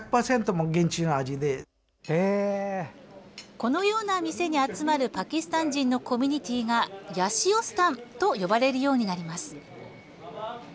このような店に集まるパキスタン人のコミュニティーがヤシオスタンと呼ばれるようになります。